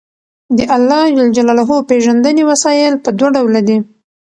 د اللَّهِ ج پيژندنې وسايل په دوه ډوله دي